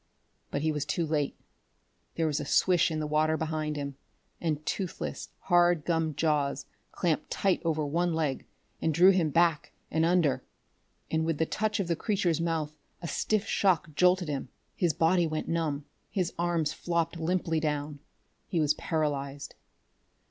But he was too late. There was a swish in the water behind him, and toothless, hard gummed jaws clamped tight over one leg and drew him back and under. And with the touch of the creature's mouth a stiff shock jolted him; his body went numb; his arms flopped limply down. He was paralyzed.